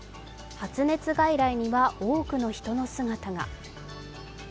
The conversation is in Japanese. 発熱外来には多くの人の姿が。